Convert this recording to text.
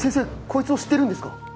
こいつを知ってるんですか？